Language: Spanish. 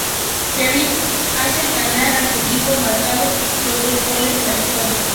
Perrin hace ganar a su equipo marcando los dos goles de la victoria.